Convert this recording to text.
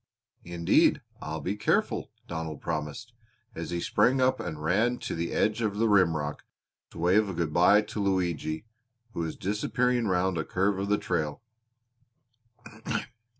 "Indeed I'll be careful," Donald promised, as he sprang up and ran to the edge of the rimrock to wave a good bye to Luigi, who was disappearing round a curve of the trail.